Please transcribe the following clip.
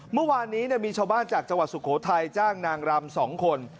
เมื่อวานนี้มีชาวบ้านจากจังหวัดสุโขทัยจ้างนางรำ๒คน